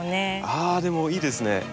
ああでもいいですね。